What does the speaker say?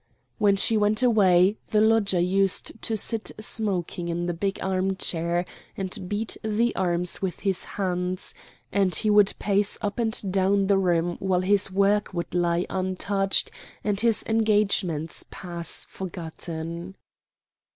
When she went away the lodger used to sit smoking in the big arm chair and beat the arms with his hands, and he would pace up and down the room while his work would lie untouched and his engagements pass forgotten.